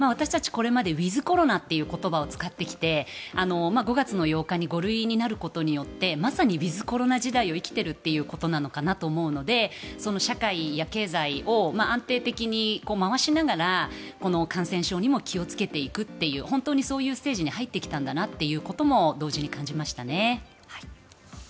これまでウィズコロナという言葉を使ってきて５月８日に５類になることでまさにウィズコロナ時代を生きていることかなと思うので社会や経済を安定的に回しながら感染症にも気をつけていくという本当にそういうステージに入ってきたんだなということも同時に感じましたね。